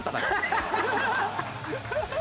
ハハハハ！